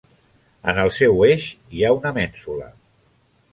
En el seu eix, hi ha una mènsula.